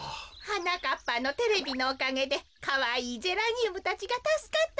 はなかっぱのテレビのおかげでかわいいゼラニュームたちがたすかったよ。